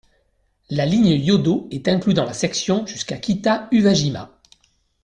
La ligne Yodo est inclue dans la section jusqu'à Kita-Uwajima.